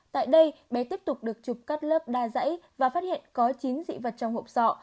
tại đây bé tiếp tục được chụp cắt lớp đa dãy và phát hiện có chín dị vật trong hộp sọ